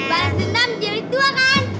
baru sedunam jelit dua kan